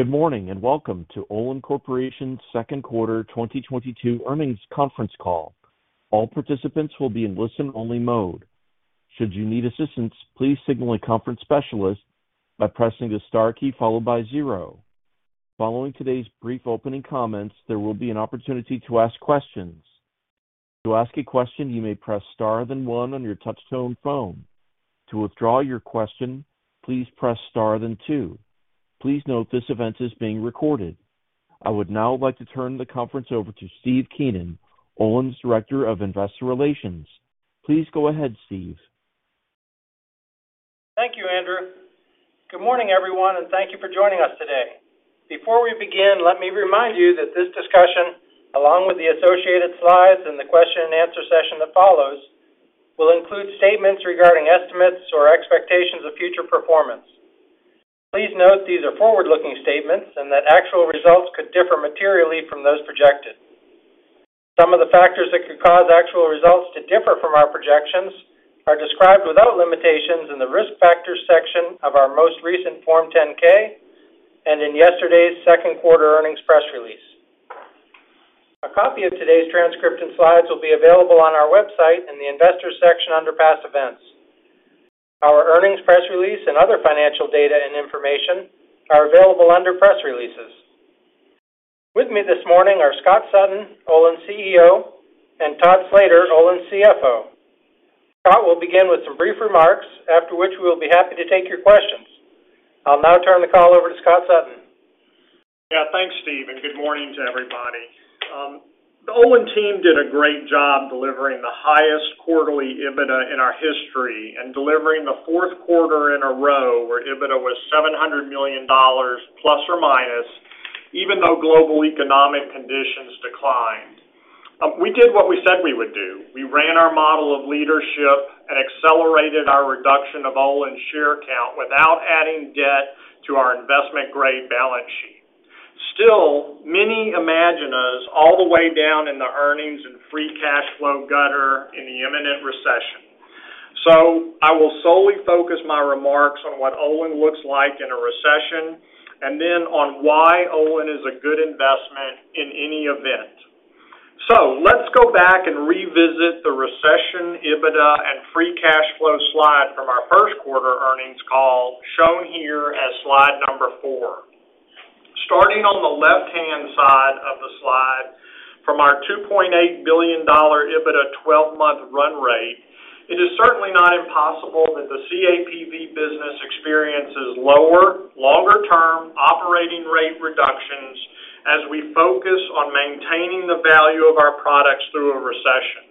Good morning, and welcome to Olin Corporation's second quarter 2022 earnings conference call. All participants will be in listen-only mode. Should you need assistance, please signal a conference specialist by pressing the star key followed by zero. Following today's brief opening comments, there will be an opportunity to ask questions. To ask a question, you may press Star then one on your touchtone phone. To withdraw your question, please press star then two. Please note this event is being recorded. I would now like to turn the conference over to Steve Keenan, Olin's Director of Investor Relations. Please go ahead, Steve. Thank you, Andrew. Good morning, everyone, and thank you for joining us today. Before we begin, let me remind you that this discussion, along with the associated slides and the question and answer session that follows, will include statements regarding estimates or expectations of future performance. Please note these are forward-looking statements and that actual results could differ materially from those projected. Some of the factors that could cause actual results to differ from our projections are described without limitations in the Risk Factors section of our most recent Form 10-K and in yesterday's second quarter earnings press release. A copy of today's transcript and slides will be available on our website in the Investors section under Past Events. Our earnings press release and other financial data and information are available under Press Releases. With me this morning are Scott Sutton, Olin's CEO, and Todd Slater, Olin's CFO. Scott will begin with some brief remarks, after which we will be happy to take your questions. I'll now turn the call over to Scott Sutton. Yeah. Thanks, Steve, and good morning to everybody. The Olin team did a great job delivering the highest quarterly EBITDA in our history and delivering the fourth quarter in a row where EBITDA was $700 million plus or minus, even though global economic conditions declined. We did what we said we would do. We ran our model of leadership and accelerated our reduction of Olin share count without adding debt to our investment-grade balance sheet. Still, many imagine us all the way down in the earnings and Free Cash Flow gutter in the imminent recession. I will solely focus my remarks on what Olin looks like in a recession and then on why Olin is a good investment in any event. Let's go back and revisit the recession EBITDA and Free Cash Flow slide from our first quarter earnings call, shown here as slide number four. Starting on the left-hand side of the slide, from our $2.8 billion EBITDA 12-month run rate, it is certainly not impossible that the CAPV business experiences lower longer-term operating rate reductions as we focus on maintaining the value of our products through a recession.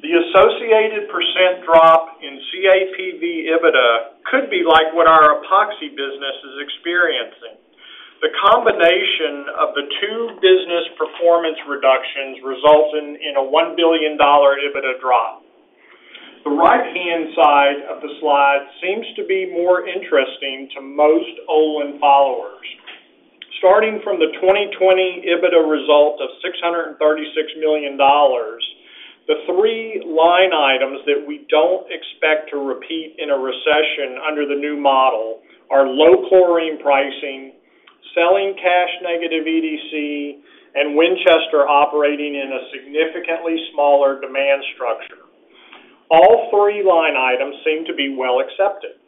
The associated % drop in CAPV EBITDA could be like what our Epoxy business is experiencing. The combination of the two business performance reductions results in a $1 billion EBITDA drop. The right-hand side of the slide seems to be more interesting to most Olin followers. Starting from the 2020 EBITDA result of $636 million, the three line items that we don't expect to repeat in a recession under the new model are low chlorine pricing, selling cash-negative EDC, and Winchester operating in a significantly smaller demand structure. All three line items seem to be well accepted.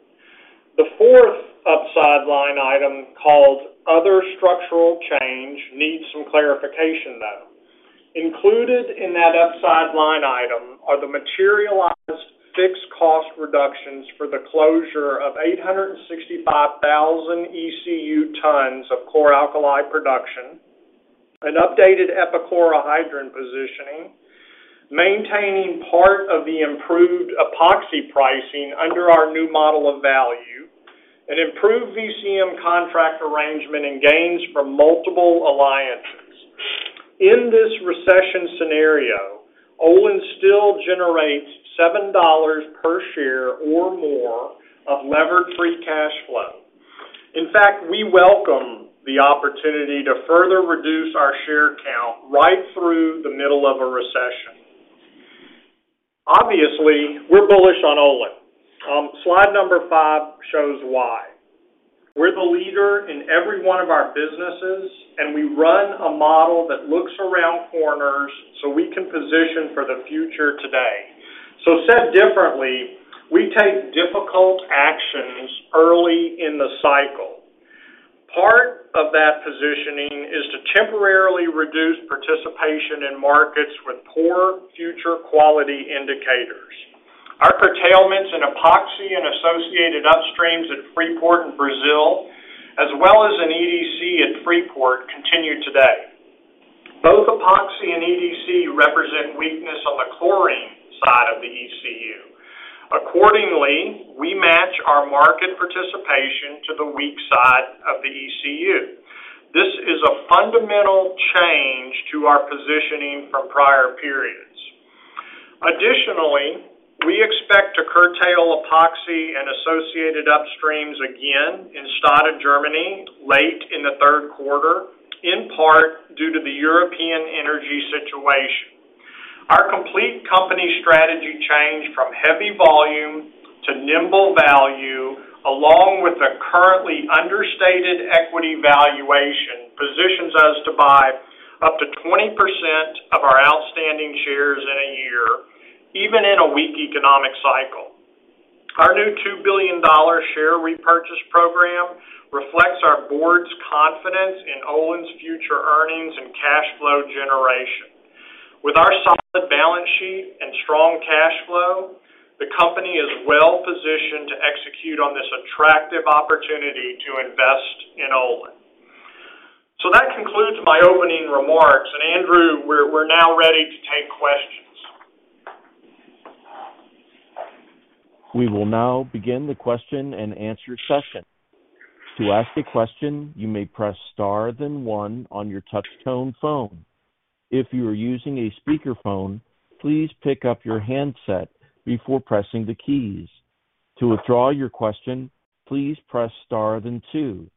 The fourth upside line item, called Other Structural Change, needs some clarification, though. Included in that upside line item are the materialized fixed cost reductions for the closure of 865,000 ECU tons of chlor-alkali production, an updated epichlorohydrin positioning, maintaining part of the improved epoxy pricing under our new model of value, an improved VCM contract arrangement, and gains from multiple alliances. In this recession scenario, Olin still generates $7 per share or more of levered Free Cash Flow. In fact, we welcome the opportunity to further reduce our share count right through the middle of a recession. Obviously, we're bullish on Olin. Slide number five shows why. We're the leader in every one of our businesses, and we run a model that looks around corners so we can position for the future today. Said differently, we take difficult actions early in the cycle. Part of that positioning is to temporarily reduce participation in markets with poor future quality indicators. Our curtailments in Epoxy and associated upstreams at Freeport in Brazil, as well as in EDC at Freeport, continue today. Both Epoxy and EDC represent weakness on the chlorine side of the ECU. Accordingly, we match our market participation to the weak side of the ECU. This is a fundamental change to our positioning from prior periods. Additionally, we expect to curtail Epoxy and associated upstreams again in Stade, Germany, late in the third quarter, in part due to the European energy situation. Our complete company strategy change from heavy volume to nimble value, along with the currently understated equity valuation, positions us to buy up to 20% of our outstanding shares in a year, even in a weak economic cycle. Our new $2 billion share repurchase program reflects our board's confidence in Olin's future earnings and cash flow generation. With our solid balance sheet and strong cash flow, the company is well-positioned to execute on this attractive opportunity to invest in Olin. That concludes my opening remarks. Andrew, we're now ready to take questions. We will now begin the question-and-answer session. To ask a question, you may press star then one on your touch tone phone. If you are using a speaker phone, please pick up your handset before pressing the keys. To withdraw your question, please press star then two.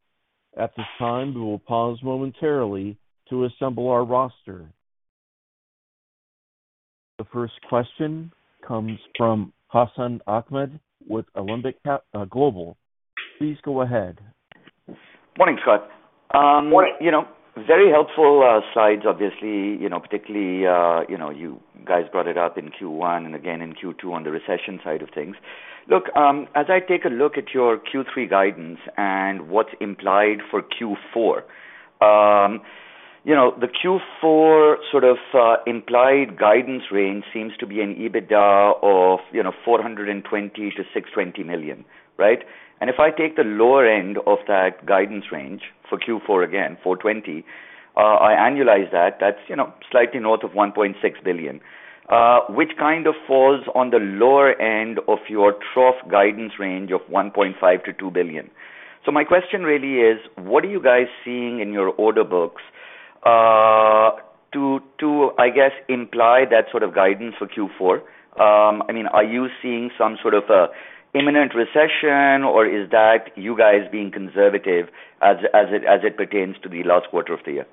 At this time, we will pause momentarily to assemble our roster. The first question comes from Hassan Ahmed with Alembic Global Advisors. Please go ahead. Morning, Scott. Morning. You know, very helpful slides, obviously, you know, particularly, you know, you guys brought it up in Q1 and again in Q2 on the recession side of things. Look, as I take a look at your Q3 guidance and what's implied for Q4, you know, the Q4 sort of implied guidance range seems to be an EBITDA of, you know, $420 million-$620 million, right? If I take the lower end of that guidance range for Q4 again, $420 million, I annualize that's, you know, slightly north of $1.6 billion, which kind of falls on the lower end of your trough guidance range of $1.5 billion-$2 billion. My question really is: What are you guys seeing in your order books, to, I guess, imply that sort of guidance for Q4? I mean, are you seeing some sort of imminent recession, or is that you guys being conservative as it pertains to the last quarter of the year?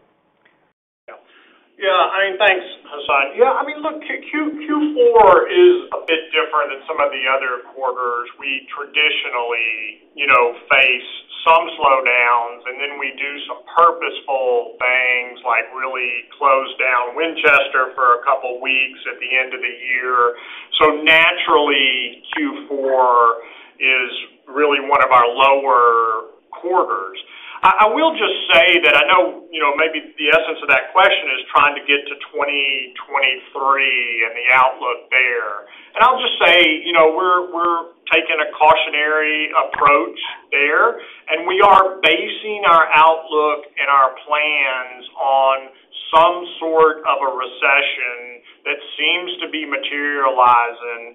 Yeah. I mean, thanks, Hassan. Yeah, I mean, look, Q4 is a bit different than some of the other quarters. We traditionally, you know, face some slowdowns, and then we do some purposeful things like really close down Winchester for a couple weeks at the end of the year. Naturally, Q4 is really one of our lower quarters. I will just say that I know, you know, maybe the essence of that question is trying to get to 2023 and the outlook there. I'll just say, you know, we're taking a cautionary approach there, and we are basing our outlook and our plans on some sort of a recession that seems to be materializing.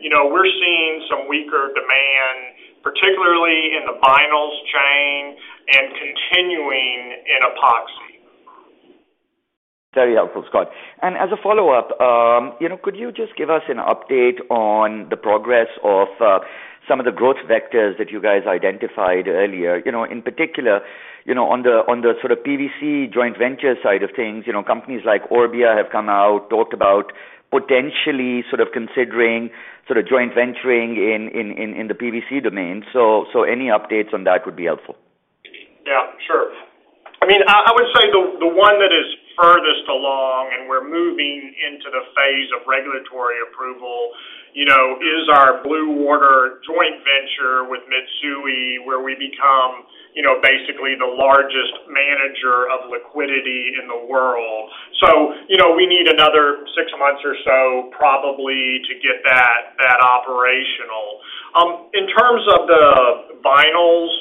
You know, we're seeing some weaker demand, particularly in the vinyls chain and continuing in epoxy. Very helpful, Scott. As a follow-up, you know, could you just give us an update on the progress of some of the growth vectors that you guys identified earlier? You know, in particular, you know, on the sort of PVC joint venture side of things. You know, companies like Orbia have come out, talked about potentially sort of considering sort of joint venturing in the PVC domain. Any updates on that would be helpful. Yeah, sure. I mean, I would say the one that is furthest along and we're moving into the phase of regulatory approval, you know, is our Blue Water joint venture with Mitsui, where we become, you know, basically the largest manager of liquidity in the world. We need another six months or so probably to get that operational. In terms of the vinyls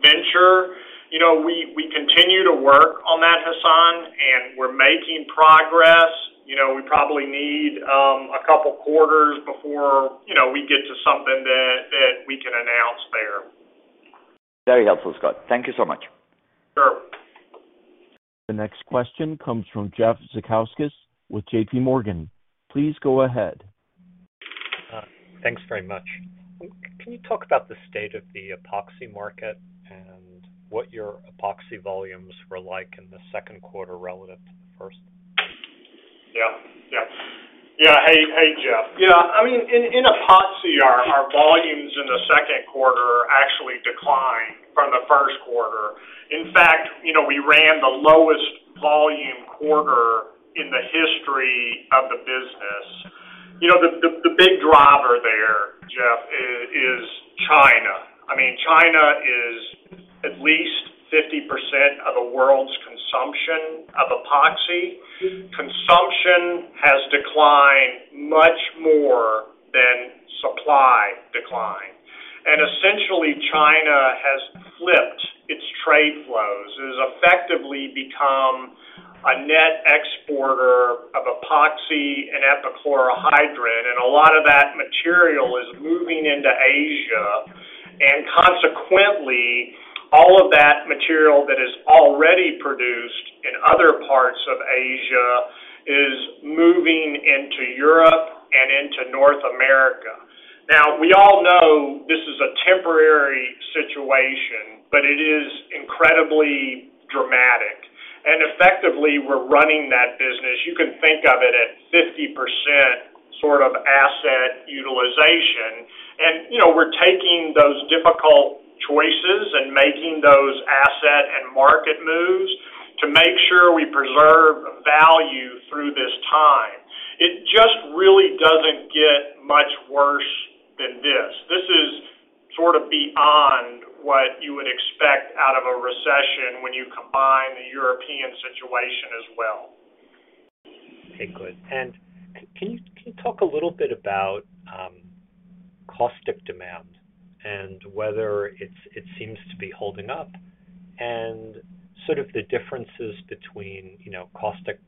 venture, you know, we continue to work on that, Hassan, and we're making progress. You know, we probably need a couple quarters before, you know, we get to something that we can announce there. Very helpful, Scott. Thank you so much. Sure. The next question comes from Jeff Zekauskas with J.P. Morgan. Please go ahead. Thanks very much. Can you talk about the state of the epoxy market and what your epoxy volumes were like in the second quarter relative to the first? Yeah. Hey, Jeff. Yeah. I mean, in epoxy, our volumes in the second quarter actually declined from the first quarter. In fact, you know, we ran the lowest volume quarter in the history of the business. You know, the big driver there, Jeff, is China. I mean, China is at least 50% of the world's consumption of epoxy. Consumption has declined much more than supply declined. Essentially, China has flipped its trade flows. It has effectively become a net exporter of epoxy and epichlorohydrin, and a lot of that material is moving into Asia. Consequently, all of that material that is already produced in other parts of Asia is moving into Europe, North America. Now, we all know this is a temporary situation, but it is incredibly dramatic. Effectively, we're running that business, you can think of it at 50% sort of asset utilization. You know, we're taking those difficult choices and making those asset and market moves to make sure we preserve value through this time. It just really doesn't get much worse than this. This is sort of beyond what you would expect out of a recession when you combine the European situation as well. Okay, good. Can you talk a little bit about caustic demand and whether it seems to be holding up and sort of the differences between, you know, caustic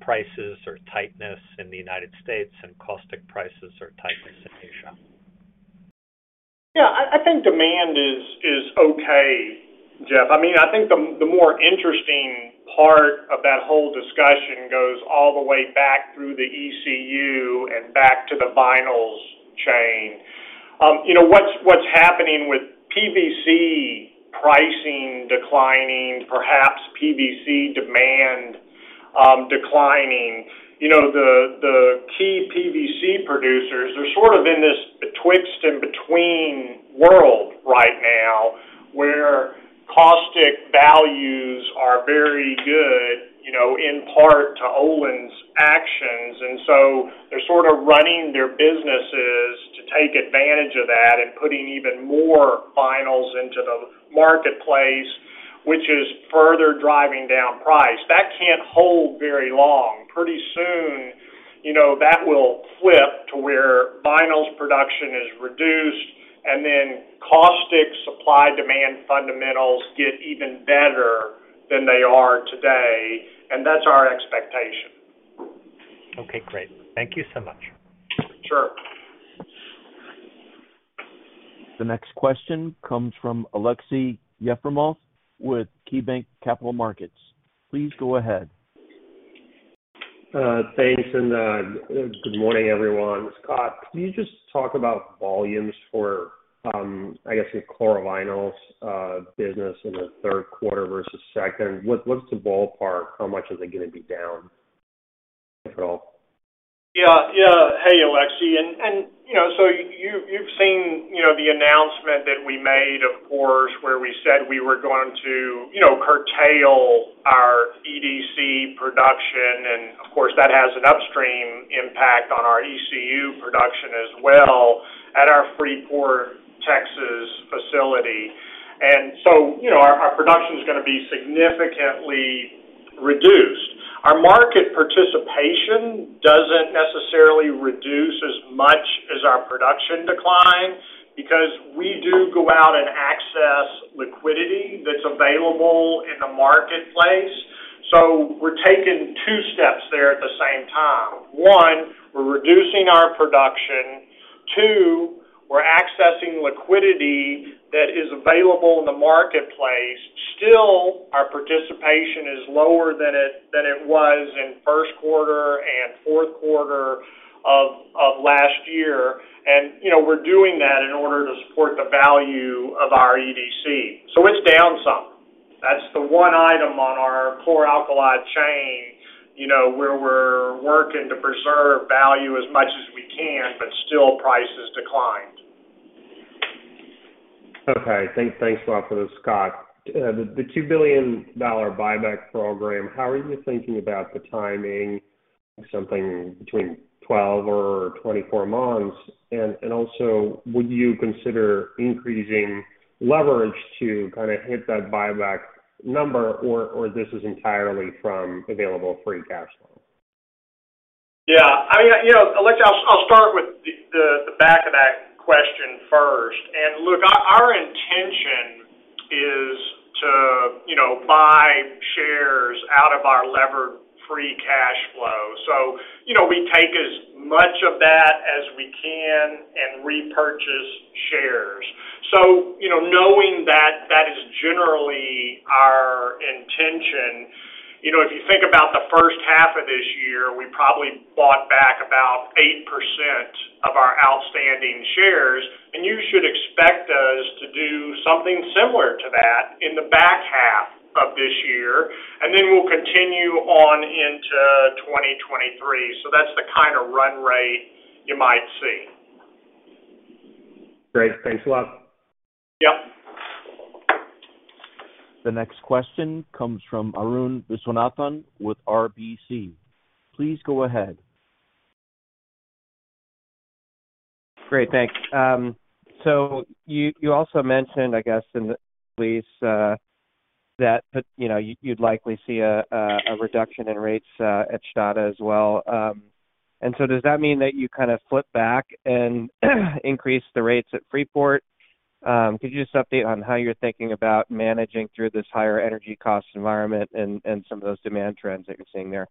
prices or tightness in the United States and caustic prices or tightness in Asia? Yeah. I think demand is okay, Jeff. I mean, I think the more interesting part of that whole discussion goes all the way back through the ECU and back to the vinyls chain. You know, what's happening with PVC pricing declining, perhaps PVC demand declining. You know, the key PVC producers are sort of in this betwixt and between world right now, where caustic values are very good, you know, in part to Olin's actions. They're sort of running their businesses to take advantage of that and putting even more vinyls into the marketplace, which is further driving down price. That can't hold very long. Pretty soon, you know, that will flip to where vinyls production is reduced, and then caustic supply-demand fundamentals get even better than they are today. That's our expectation. Okay, great. Thank you so much. Sure. The next question comes from Aleksey Yefremov with KeyBanc Capital Markets. Please go ahead. Thanks, good morning, everyone. Scott, can you just talk about volumes for, I guess, your chlorovinyls business in the third quarter versus second? What's the ballpark? How much is it gonna be down, if at all? Yeah. Hey, Aleksey. You know, you've seen, you know, the announcement that we made, of course, where we said we were going to, you know, curtail our EDC production, and of course, that has an upstream impact on our ECU production as well at our Freeport, Texas facility. You know, our production is gonna be significantly reduced. Our market participation doesn't necessarily reduce as much as our production decline because we do go out and access liquidity that's available in the marketplace. We're taking two steps there at the same time. One, we're reducing our production. Two, we're accessing liquidity that is available in the marketplace. Still, our participation is lower than it was in first quarter and fourth quarter of last year. You know, we're doing that in order to support the value of our EDC. It's down some. That's the one item on our chlor-alkali chain, you know, where we're working to preserve value as much as we can, but still prices declined. Okay. Thanks a lot for this, Scott. The $2 billion buyback program, how are you thinking about the timing, something between 12 or 24 months? Also, would you consider increasing leverage to kinda hit that buyback number, or this is entirely from available Free Cash Flow? Yeah. I mean, you know, Aleksey, I'll start with the back of that question first. Look, our intention is to, you know, buy shares out of our levered Free Cash Flow. You know, we take as much of that as we can and repurchase shares. You know, knowing that that is generally our intention, you know, if you think about the first half of this year, we probably bought back about 8% of our outstanding shares, and you should expect us to do something similar to that in the back half of this year. We'll continue on into 2023. That's the kinda run rate you might see. Great. Thanks a lot. Yep. The next question comes from Arun Viswanathan with RBC. Please go ahead. Great. Thanks. You also mentioned, I guess, in the release, that you know, you'd likely see a reduction in rates at Stade as well. Does that mean that you kinda flip back and increase the rates at Freeport? Could you just update on how you're thinking about managing through this higher energy cost environment and some of those demand trends that you're seeing there?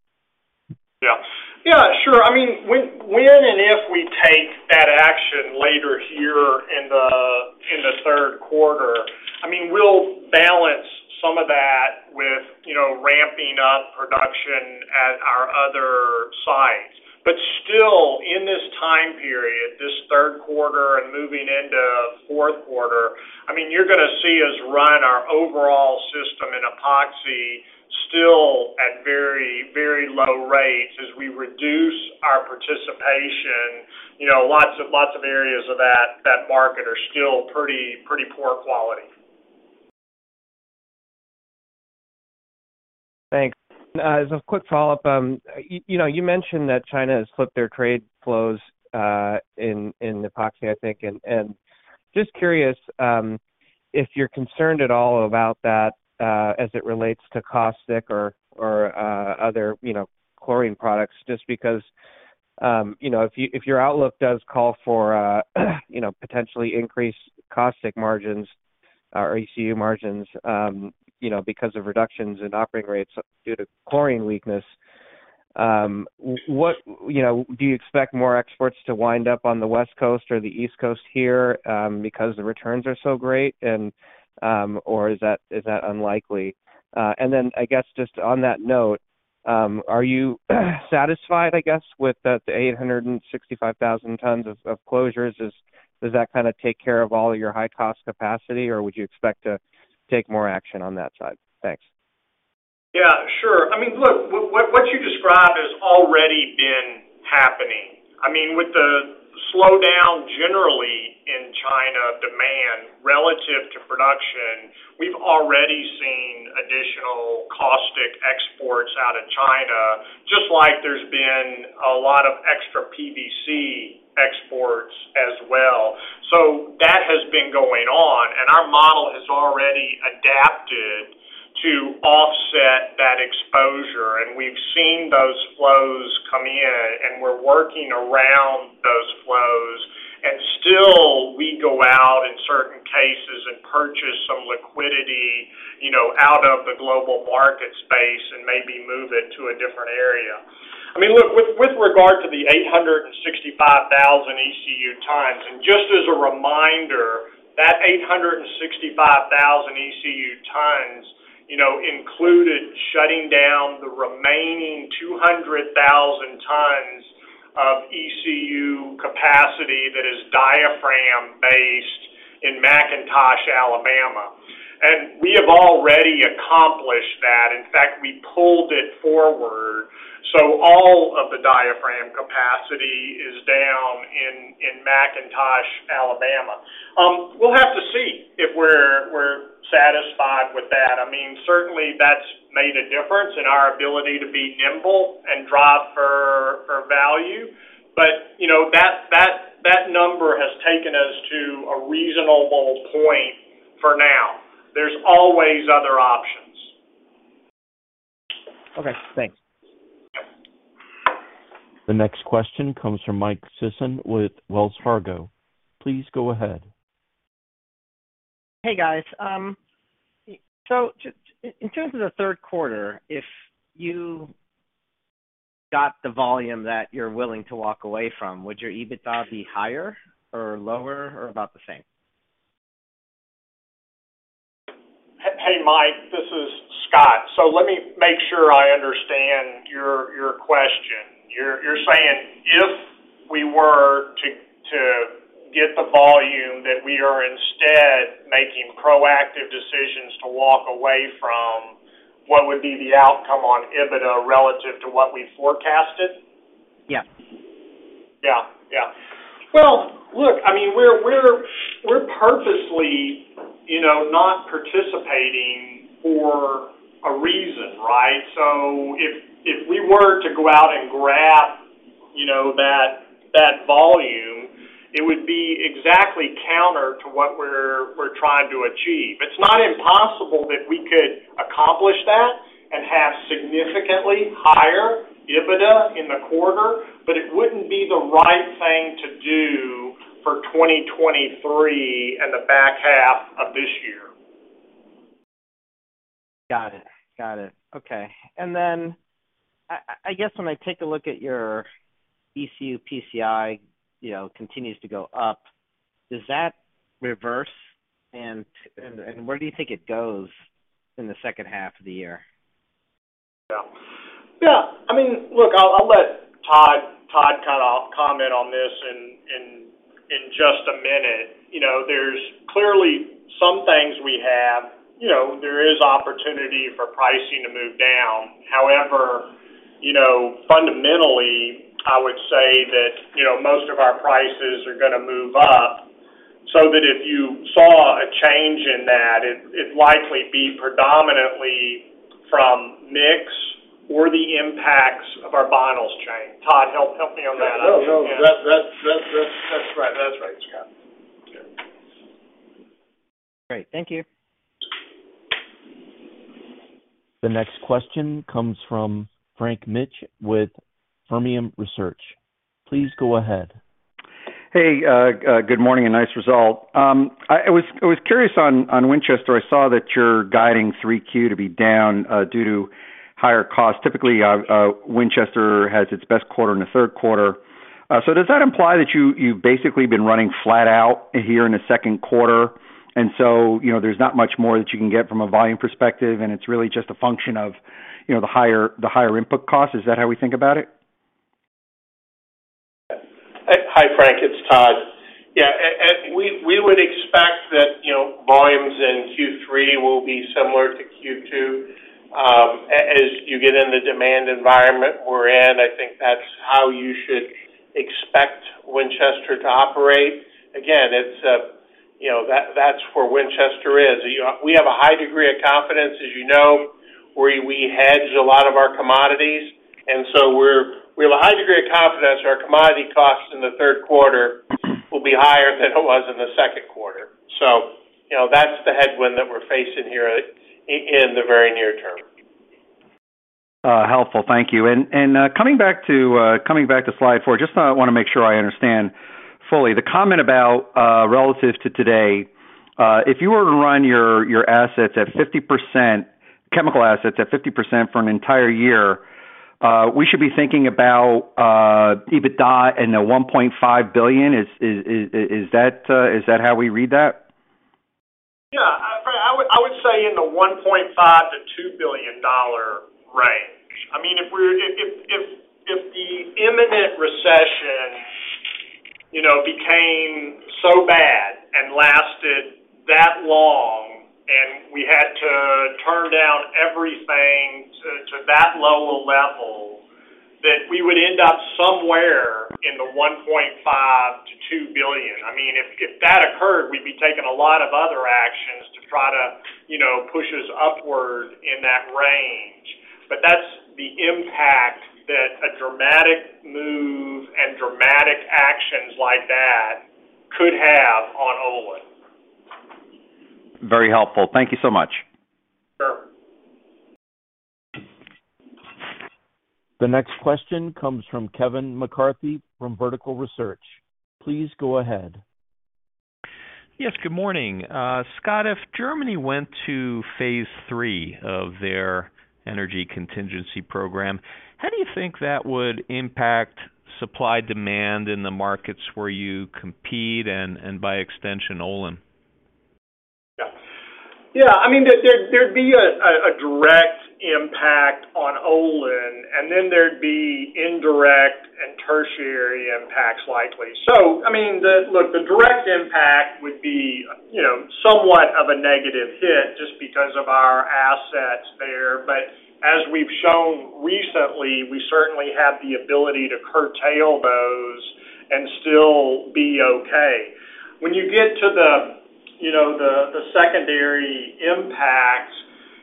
Yeah. Yeah, sure. I mean, when and if we take that action later here in the third quarter, I mean, we'll balance some of that. Ramping up production at our other sites. But still in this time period, this third quarter and moving into fourth quarter, I mean, you're gonna see us run our overall system in Epoxy still at very, very low rates as we reduce our participation. You know, lots of areas of that market are still pretty poor quality. Thanks. As a quick follow-up, you know, you mentioned that China has flipped their trade flows in epoxy, I think. Just curious if you're concerned at all about that as it relates to caustic or other chlorine products, just because you know, if your outlook does call for potentially increased caustic margins or ECU margins, you know, because of reductions in operating rates due to chlorine weakness. What do you expect more exports to wind up on the West Coast or the East Coast here because the returns are so great? Or is that unlikely? I guess just on that note, are you satisfied with the 865,000 tons of closures? Does that kinda take care of all your high-cost capacity, or would you expect to take more action on that side? Thanks. Yeah, sure. I mean, look, what you describe has already been happening. I mean, with the slowdown generally in China demand relative to production, we've already seen additional caustic exports out of China, just like there's been a lot of extra PVC exports as well. That has been going on, and our model has already adapted to offset that exposure. We've seen those flows come in, and we're working around those flows. Still, we go out in certain cases and purchase some liquidity, you know, out of the global market space and maybe move it to a different area. I mean, look, with regard to the 865,000 ECU tons, and just as a reminder, that 865,000 ECU tons, you know, included shutting down the remaining 200,000 tons of ECU capacity that is diaphragm based in McIntosh, Alabama. We have already accomplished that. In fact, we pulled it forward so all of the diaphragm capacity is down in McIntosh, Alabama. We'll have to see if we're satisfied with that. I mean, certainly that's made a difference in our ability to be nimble and drive for value. You know, that number has taken us to a reasonable point for now. There's always other options. Okay, thanks. The next question comes from Mike Sison with Wells Fargo. Please go ahead. Hey, guys. In terms of the third quarter, if you got the volume that you're willing to walk away from, would your EBITDA be higher or lower or about the same? Hey, Mike, this is Scott. Let me make sure I understand your question. You're saying if we were to get the volume that we are instead making proactive decisions to walk away from, what would be the outcome on EBITDA relative to what we forecasted? Yeah. Yeah, yeah. Well, look, I mean, we're purposely, you know, not participating for a reason, right? So if we were to go out and grab, you know, that volume, it would be exactly counter to what we're trying to achieve. It's not impossible that we could accomplish that and have significantly higher EBITDA in the quarter, but it wouldn't be the right thing to do for 2023 and the back half of this year. Got it. Okay. I guess when I take a look at your ECU PCI, you know, continues to go up, does that reverse? Where do you think it goes in the second half of the year? Yeah. I mean, look, I'll let Todd kind of comment on this in just a minute. You know, there's clearly opportunity for pricing to move down. However, you know, fundamentally, I would say that, you know, most of our prices are gonna move up, so that if you saw a change in that, it'd likely be predominantly from mix or the impacts of our vinyls chain. Todd, help me on that. No, that's right. That's right, Scott. Okay. Great. Thank you. The next question comes from Frank Mitsch with Fermium Research. Please go ahead. Hey, good morning and nice result. I was curious on Winchester. I saw that you're guiding 3Q to be down due to higher costs. Typically, Winchester has its best quarter in the third quarter. Does that imply that you've basically been running flat out here in the second quarter, and you know, there's not much more that you can get from a volume perspective, and it's really just a function of you know, the higher input costs? Is that how we think about it? Hi, Frank, it's Todd. Yeah, and we would expect that, you know, volumes in Q3 will be similar to Q2. Given the demand environment we're in, I think that's how you should expect Winchester to operate. Again, it's you know, that's where Winchester is. You know, we have a high degree of confidence, as you know, where we hedge a lot of our commodities. We have a high degree of confidence our commodity costs in the third quarter will be higher than it was in the second quarter. You know, that's the headwind that we're facing here in the very near term. Helpful. Thank you. Coming back to Slide 4, just wanna make sure I understand fully. The comment about relative to today, if you were to run your assets at 50%, chemical assets at 50% for an entire year, we should be thinking about EBITDA in the $1.5 billion. Is that how we read that? Yeah. I would say in the $1.5 billion-$2 billion range. I mean, if the imminent recession, you know, became so bad and lasted that long, and we had to turn down everything to that low a level, then we would end up somewhere in the $1.5 billion-$2 billion. I mean, if that occurred, we'd be taking a lot of other actions to try to, you know, push us upward in that range. That's the impact that a dramatic move and dramatic actions like that could have on Olin. Very helpful. Thank you so much. Sure. The next question comes from Kevin McCarthy from Vertical Research Partners. Please go ahead. Yes, good morning. Scott, if Germany went to phase three of their energy contingency program, how do you think that would impact supply demand in the markets where you compete, and by extension, Olin? Yeah. I mean, there'd be a direct impact on Olin, and then there'd be indirect and tertiary impacts likely. I mean, the direct impact would be, you know, somewhat of a negative hit just because of our assets there. But as we've shown recently, we certainly have the ability to curtail those and still be okay. When you get to the, you know, the secondary impact,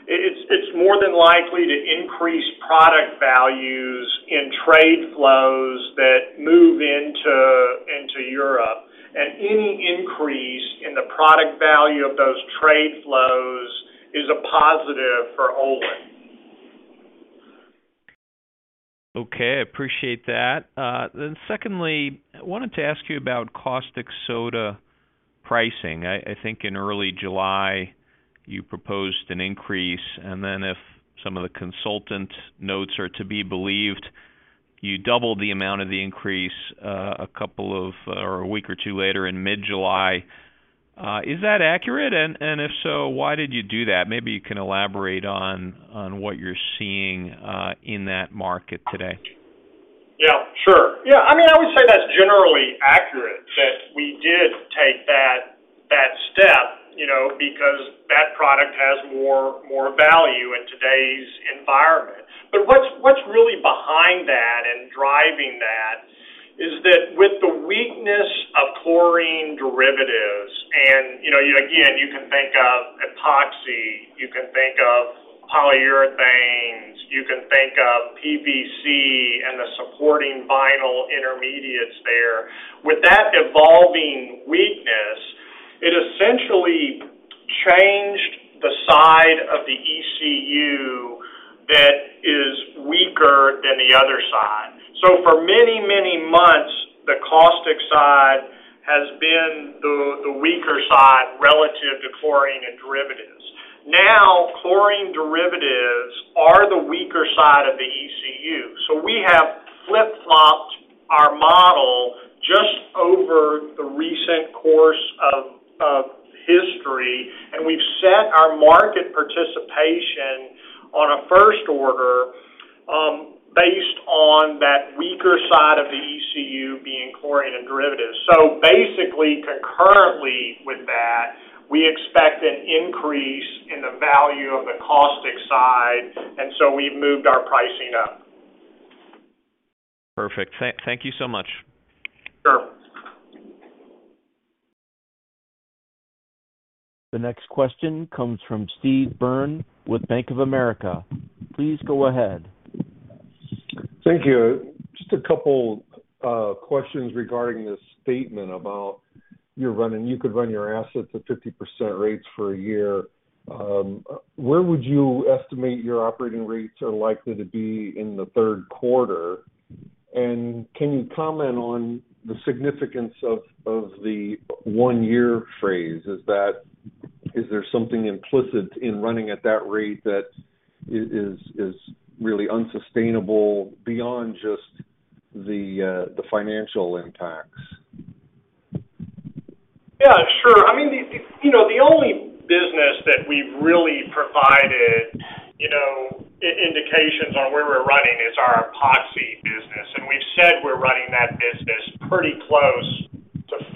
it's more than likely to increase product values in trade flows that move into Europe. Any increase in the product value of those trade flows is a positive for Olin. Okay, I appreciate that. Then secondly, I wanted to ask you about caustic soda pricing. I think in early July, you proposed an increase, and then if some of the consultant notes are to be believed, you doubled the amount of the increase, or a week or two later in mid-July. Is that accurate? And if so, why did you do that? Maybe you can elaborate on what you're seeing in that market today. Yeah, sure. Yeah. I mean, I would say that's generally accurate, that we did take that step, you know, because that product has more value in today's environment. What's really behind that and driving that is that with the weakness of chlorine derivatives and, you know, again, you can think of epoxy, you can think of polyurethanes, you can think of PVC and the supporting vinyl intermediates there. With that evolving weakness, it essentially changed the side of the ECU that is weaker than the other side. For many months, the caustic side has been the weaker side relative to chlorine and derivatives. Now, chlorine derivatives are the weaker side of the ECU. We have flip-flopped our model just over the recent course of history, and we've set our market participation on a first order, based on that weaker side of the ECU being chlorine and derivatives. Basically, concurrently with that, we expect an increase in the value of the caustic side, and we've moved our pricing up. Perfect. Thank you so much. Sure. The next question comes from Steve Byrne with Bank of America. Please go ahead. Thank you. Just a couple questions regarding this statement about you could run your assets at 50% rates for a year. Where would you estimate your operating rates are likely to be in the third quarter? And can you comment on the significance of the one year phrase? Is there something implicit in running at that rate that is really unsustainable beyond just the financial impacts? Yeah, sure. I mean, you know, the only business that we've really provided, you know, indications on where we're running is our epoxy business. We've said we're running that business pretty close to 50%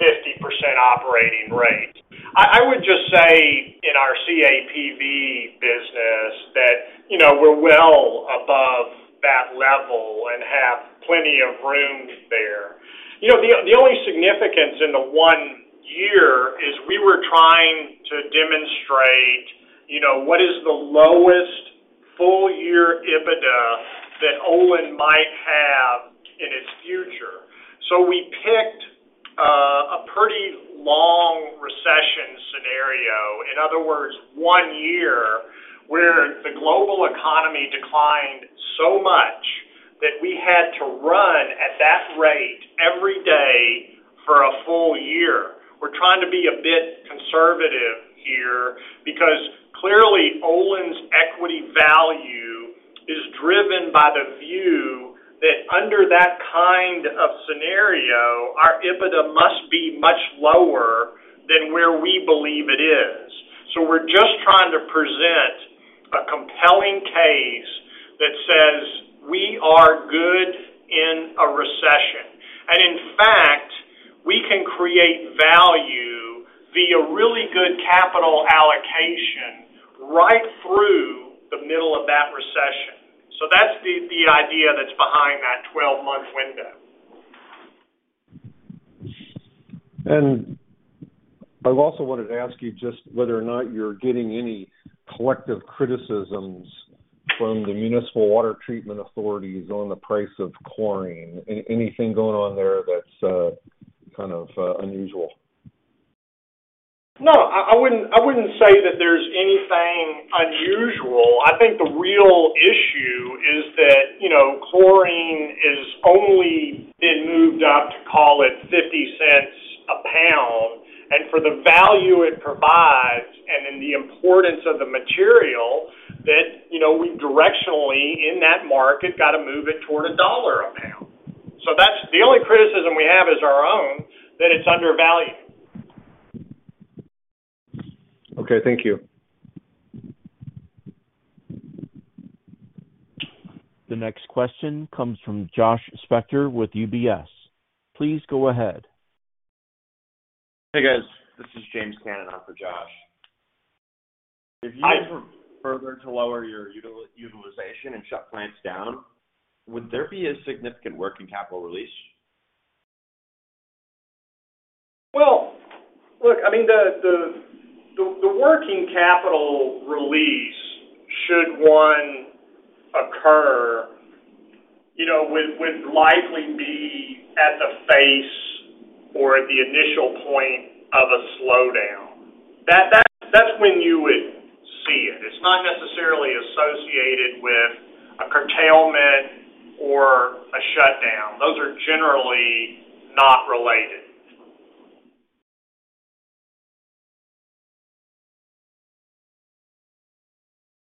operating rate. I would just say in our CAPV business that, you know, we're well above that level and have plenty of room there. You know, the only significance in the one year is we were trying to demonstrate, you know, what is the lowest full year EBITDA that Olin might have in its future. We picked a pretty long recession scenario. In other words, one year where the global economy declined so much that we had to run at that rate every day for a full year. We're trying to be a bit conservative here because clearly Olin's equity value is driven by the view that under that kind of scenario, our EBITDA must be much lower than where we believe it is. We're just trying to present a compelling case that says we are good in a recession. In fact, we can create value via really good capital allocation right through the middle of that recession. That's the idea that's behind that 12-month window. I've also wanted to ask you just whether or not you're getting any collective criticisms from the municipal water treatment authorities on the price of chlorine. Anything going on there that's kind of unusual? No, I wouldn't say that there's anything unusual. I think the real issue is that, you know, chlorine is only been moved up to call it $0.50 a pound. For the value it provides and then the importance of the material that, you know, we directionally in that market got to move it toward $1 a pound. That's the only criticism we have is our own that it's undervalued. Okay, thank you. The next question comes from Josh Spector with UBS. Please go ahead. Hey, guys. This is James Cannon on for Josh. Hi. If you were further to lower your utilization and shut plants down, would there be a significant working capital release? Well, look, I mean, the working capital release should one occur, you know, would likely be at the face or at the initial point of a slowdown. That's when you would see it. It's not necessarily associated with a curtailment or a shutdown. Those are generally not related.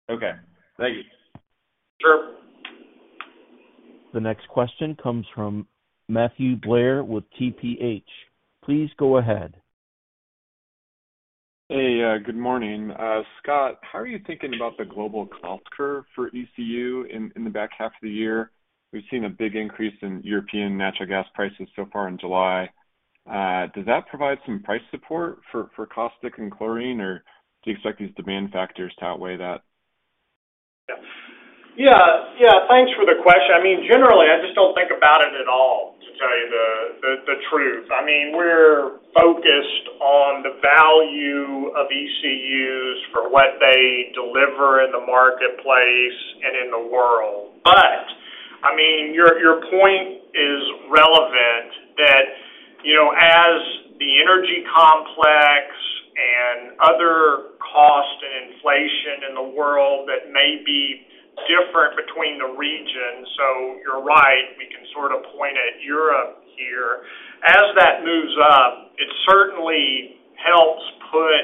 Okay. Thank you. Sure. The next question comes from Matthew Blair with TPH. Please go ahead. Hey, good morning. Scott, how are you thinking about the global cost curve for ECU in the back half of the year? We've seen a big increase in European natural gas prices so far in July. Does that provide some price support for caustic and chlorine, or do you expect these demand factors to outweigh that? Yeah. Yeah, thanks for the question. I mean, generally, I just don't think about it at all, to tell you the truth. I mean, we're focused on the value of ECUs for what they deliver in the marketplace and in the world. I mean, your point is relevant that, you know, as the energy complex and other cost and inflation in the world that may be different between the regions. You're right, we can sort of point at Europe here. As that moves up, it certainly helps put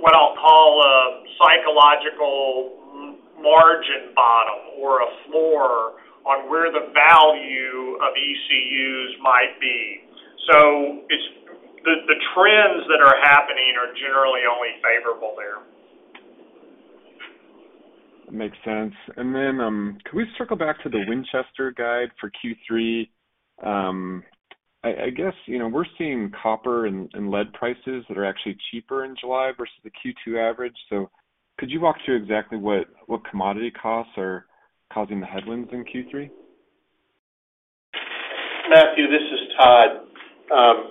what I'll call a psychological margin bottom or a floor on where the value of ECUs might be. It's the trends that are happening are generally only favorable there. Makes sense. Then can we circle back to the Winchester guide for Q3? I guess, you know, we're seeing copper and lead prices that are actually cheaper in July versus the Q2 average. Could you walk through exactly what commodity costs are causing the headwinds in Q3? Matthew, this is Todd.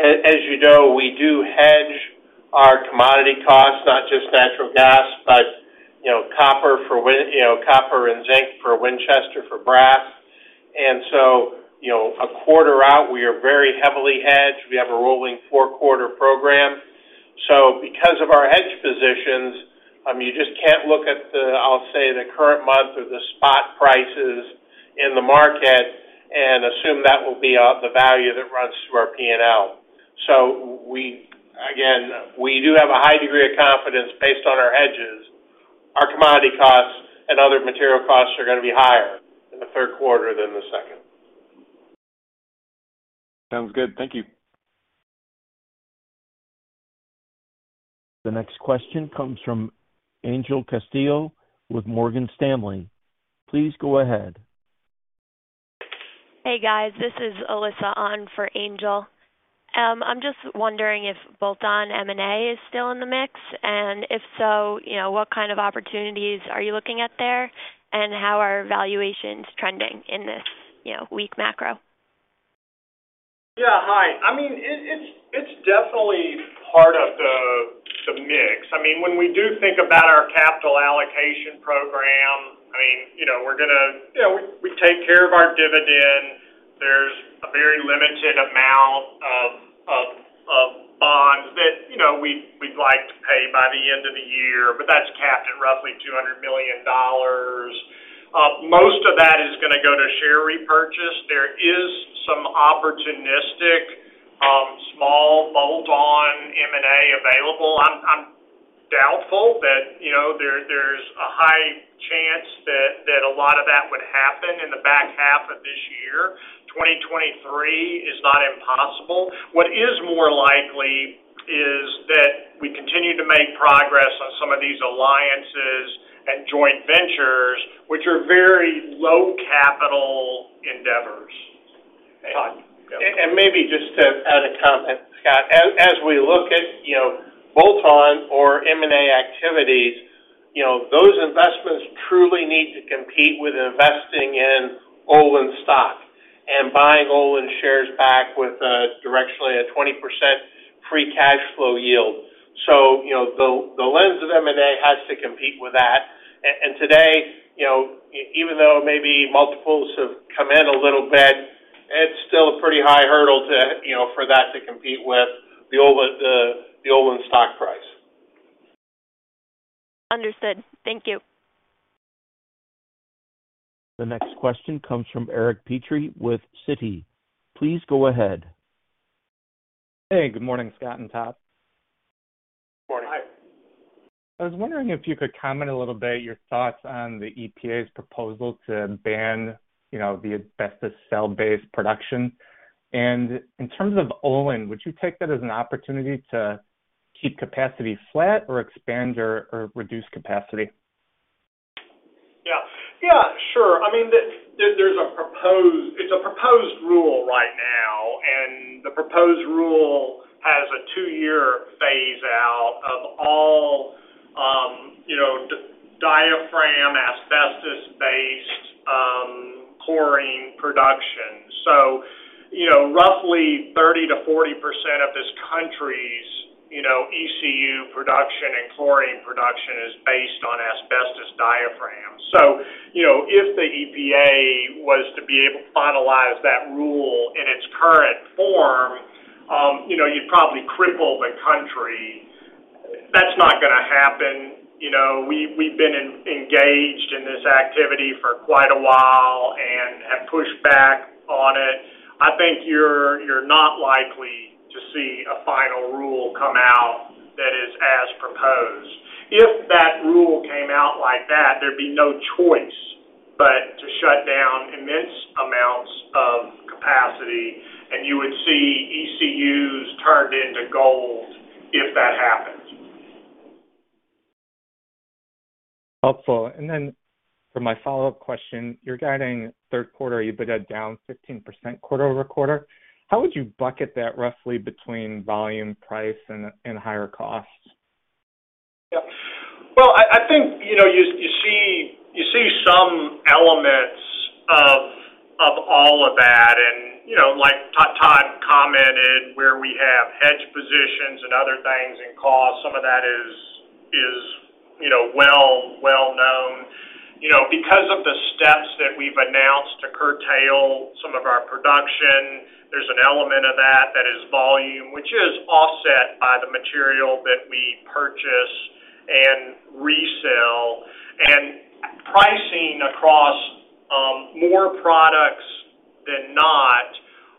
As you know, we do hedge our commodity costs, not just natural gas, but you know, copper and zinc for Winchester for brass. You know, a quarter out, we are very heavily hedged. We have a rolling four-quarter program. Because of our hedge positions, I mean, you just can't look at the, I'll say, the current month or the spot prices in the market and assume that will be the value that runs through our P&L. Again, we do have a high degree of confidence based on our hedges. Our commodity costs and other material costs are gonna be higher in the third quarter than the second. Sounds good. Thank you. The next question comes from Angel Castillo with Morgan Stanley. Please go ahead. Hey, guys. This is Alyssa on for Angel. I'm just wondering if bolt-on M&A is still in the mix. If so, you know, what kind of opportunities are you looking at there? How are valuations trending in this, you know, weak macro? Yeah. Hi. I mean, it's definitely part of the mix. I mean, when we do think about our capital allocation program, I mean, you know, we're gonna. You know, we take care of our dividend. There's a very limited amount of bonds that, you know, we'd like to pay by the end of the year, but that's capped at roughly $200 million. Most of that is gonna go to share repurchase. There is some opportunistic small bolt-on M&A available. I'm doubtful that, you know, there's a high chance that a lot of that would happen in the back half of this year. 2023 is not impossible. What is more likely is that we continue to make progress on some of these alliances and joint ventures, which are very low capital endeavors. Todd, go. Maybe just to add a comment, Scott. As we look at, you know, bolt-on or M&A activities, you know, those investments truly need to compete with investing in Olin stock and buying Olin shares back with, directionally a 20% Free Cash Flow yield. You know, the lens of M&A has to compete with that. Today, you know, even though maybe multiples have come in a little bit, it's still a pretty high hurdle to, you know, for that to compete with the Olin stock price. Understood. Thank you. The next question comes from Eric Petrie with Citi. Please go ahead. Hey, good morning, Scott and Todd. Morning. Hi. I was wondering if you could comment a little bit your thoughts on the EPA's proposal to ban, you know, the asbestos cell-based production. In terms of Olin, would you take that as an opportunity to keep capacity flat or expand or reduce capacity? Yeah. Yeah, sure. I mean, it's a proposed rule right now, and the proposed rule has a two year phase out of all diaphragm asbestos-based chlorine production. So, roughly 30%-40% of this country's ECU production and chlorine production is based on asbestos diaphragms. So, if the EPA was to be able to finalize that rule in its current form, you'd probably cripple the country. That's not gonna happen. We've been engaged in this activity for quite a while and have pushed back on it. I think you're not likely to see a final rule come out that is as proposed. If that rule came out like that, there'd be no choice but to shut down immense amounts of capacity, and you would see ECUs turned into gold if that happens. Helpful. Then for my follow-up question, you're guiding third quarter EBITDA down 15% quarter-over-quarter. How would you bucket that roughly between volume, price, and higher costs? Yeah. Well, I think, you know, you see some elements of all of that. You know, like Todd commented, where we have hedge positions and other things and costs, some of that is, you know, well-known. You know, because of the steps that we've announced to curtail some of our production, there's an element of that that is volume, which is offset by the material that we purchase and resell. Pricing across, more products than not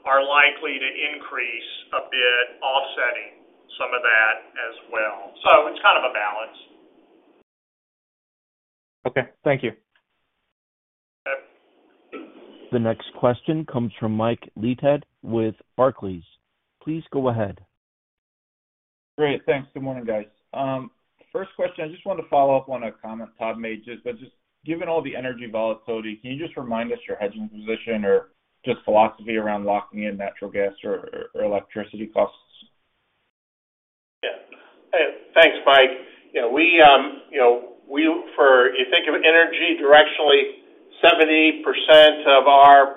are likely to increase a bit, offsetting some of that as well. It's kind of a balance. Okay. Thank you. Okay. The next question comes from Mike Leithead with Barclays. Please go ahead. Great. Thanks. Good morning, guys. First question, I just wanted to follow up on a comment Todd made, but just given all the energy volatility, can you just remind us your hedging position or just philosophy around locking in natural gas or electricity costs? Yeah. Hey, thanks, Mike. You know, we think of energy directionally, 70% of our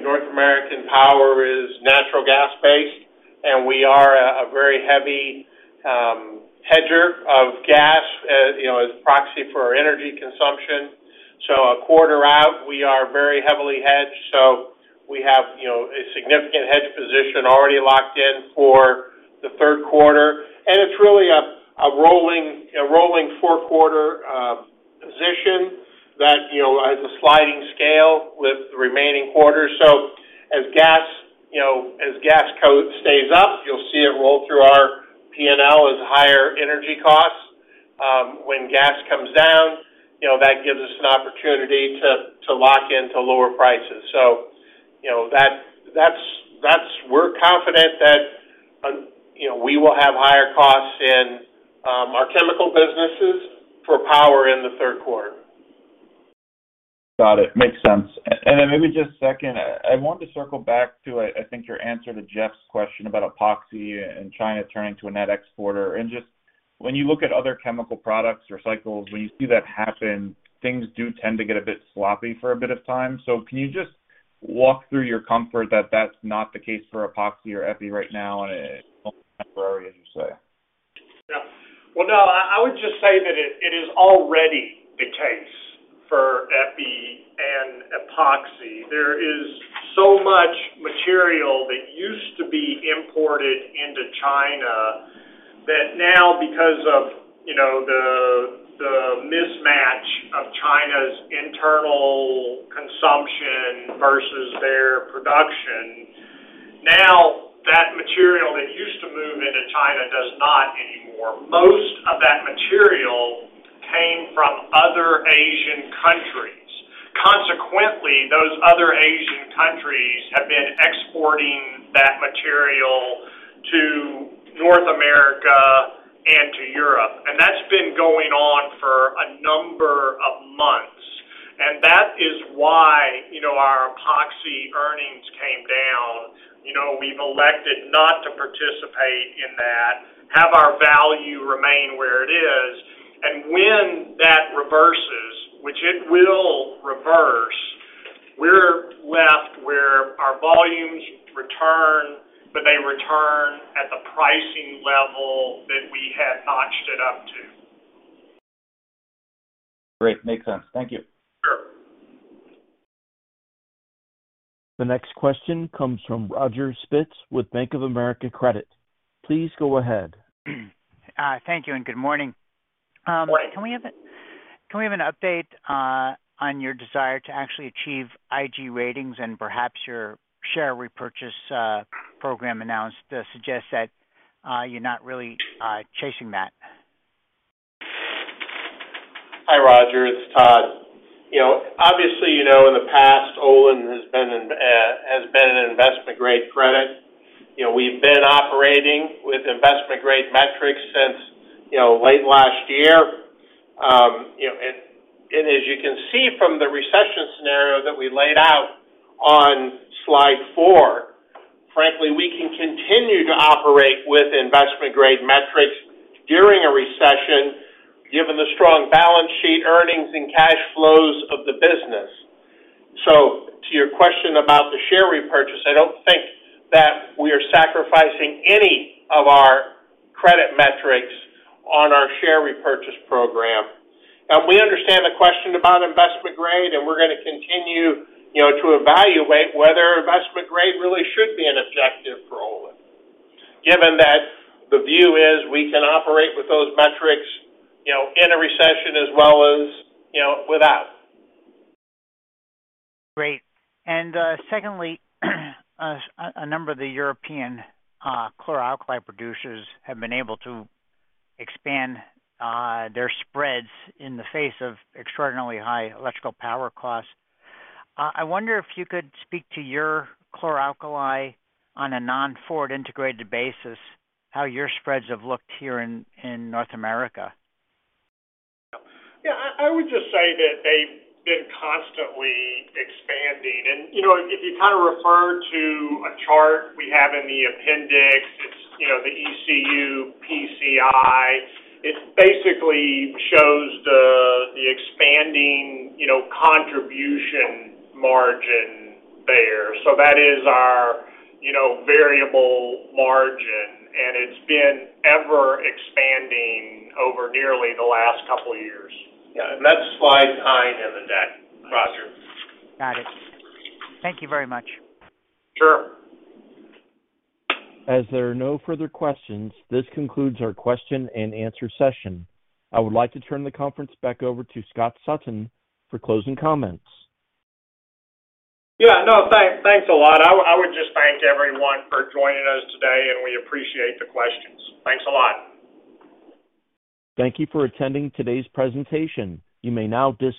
North American power is natural gas based, and we are a very heavy hedger of gas, you know, as proxy for our energy consumption. So a quarter out, we are very heavily hedged. A significant hedge position already locked in for the third quarter. It's really a rolling four-quarter position that, you know, has a sliding scale with the remaining quarters. So as gas, you know, stays up, you'll see it roll through our P&L as higher energy costs. When gas comes down, you know, that gives us an opportunity to lock into lower prices. You know, we're confident that, you know, we will have higher costs in our chemical businesses for power in the third quarter. Got it. Makes sense. Maybe just a second, I want to circle back to, I think your answer to Jeff's question about epoxy and China turning to a net exporter. Just when you look at other chemical products or cycles, when you see that happen, things do tend to get a bit sloppy for a bit of time. Can you just walk through your comfort that that's not the case for epoxy or EPI right now, and it's only temporary, as you say? Yeah. Well, no, I would just say that it is already the case for EPI and Epoxy. There is so much material that used to be imported into China that now because of, you know, the mismatch of China's internal consumption versus their production, now that material that used to move into China does not anymore. Most of that material came from other Asian countries. Consequently, those other Asian countries have been exporting that material to North America and to Europe, and that's been going on for a number of months. That is why, you know, our Epoxy earnings came down. You know, we've elected not to participate in that, have our value remain where it is, and when that reverses, which it will reverse, we're left where our volumes return, but they return at the pricing level that we had notched it up to. Great. Makes sense. Thank you. Sure. The next question comes from Roger Spitz with Bank of America Credit. Please go ahead. Thank you, and good morning. Morning. Can we have an update on your desire to actually achieve IG ratings and perhaps your share repurchase program announced that suggests that you're not really chasing that? Hi, Roger. It's Todd. You know, obviously, you know in the past, Olin has been an investment-grade credit. You know, we've been operating with investment-grade metrics since, you know, late last year. You know, and as you can see from the recession scenario that we laid out on Slide 4, frankly, we can continue to operate with investment-grade metrics during a recession, given the strong balance sheet earnings and cash flows of the business. To your question about the share repurchase, I don't think that we are sacrificing any of our credit metrics on our share repurchase program. Now, we understand the question about investment-grade, and we're gonna continue, you know, to evaluate whether investment-grade really should be an objective for Olin, given that the view is we can operate with those metrics, you know, in a recession as well as, you know, without. Great. Secondly, a number of the European chlor-alkali producers have been able to expand their spreads in the face of extraordinarily high electrical power costs. I wonder if you could speak to your chlor-alkali on a non-forward integrated basis, how your spreads have looked here in North America. Yeah. I would just say that they've been constantly expanding. You know, if you kind of refer to a chart we have in the appendix, it's you know, the ECU PCI. It basically shows the expanding you know, contribution margin there. So that is our you know, variable margin, and it's been ever-expanding over nearly the last couple years. Yeah. That's Slide 9 in the deck, Roger. Got it. Thank you very much. Sure. As there are no further questions, this concludes our question-and-answer session. I would like to turn the conference back over to Scott Sutton for closing comments. Yeah, no, thanks a lot. I would just thank everyone for joining us today, and we appreciate the questions. Thanks a lot. Thank you for attending today's presentation. You may now disconnect.